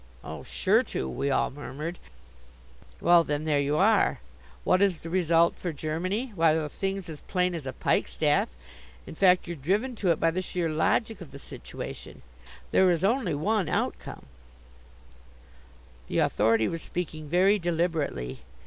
"Oh, sure to," we all murmured. "Well, then, there you are what is the result for Germany why the thing's as plain as a pikestaff in fact you're driven to it by the sheer logic of the situation there is only one outcome " The Authority was speaking very deliberately.